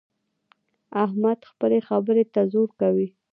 احمد خپلې خبرې ته زور کوي.